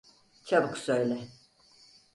Çabuk söyle…